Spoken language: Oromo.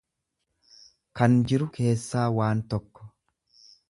kan jiru keessaa waan tokko.